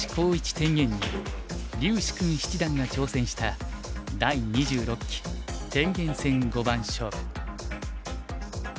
天元に柳時熏七段が挑戦した第２６期天元戦五番勝負。